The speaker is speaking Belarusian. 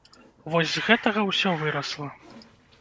Вось з гэтага ўсё вырасла.